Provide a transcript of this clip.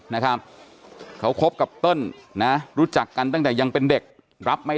นะครับเขาคบกับเติ้ลนะรู้จักกันตั้งแต่ยังเป็นเด็กรับไม่